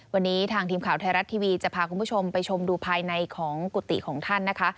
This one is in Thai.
วันนี้ทางทีมข่าวไทยรัฐทีวีจะพาคุณผู้ชมไปชมดูภายในของกุฏิของท่านนะคะ